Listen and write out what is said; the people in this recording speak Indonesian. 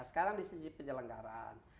sekarang di sisi penyelenggaraan